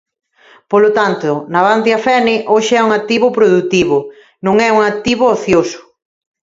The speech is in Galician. Polo tanto, Navantia-Fene hoxe é un activo produtivo, non é un activo ocioso.